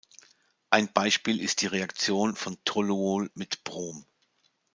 Ein Beispiel ist die Reaktion von Toluol mit Brom.